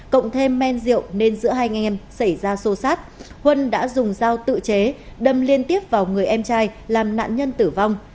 cộng thêm men rượu nên giữa hai anh em xảy ra xô xát huân đã dùng dao tự chế đâm liên tiếp vào người em trai làm nạn nhân tử vong